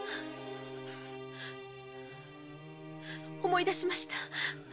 思い出しました。